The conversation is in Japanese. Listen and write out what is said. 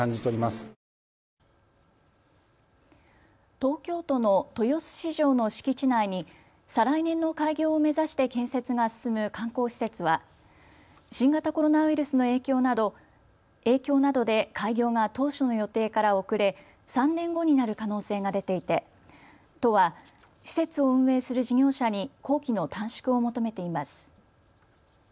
東京都の豊洲市場の敷地内に再来年の開業を目指して建設が進む観光施設は新型コロナウイルスの影響などで開業が当初の予定から遅れ３年後になる可能性が出ていて都は施設を運営する事業者に工期の短縮を求めています。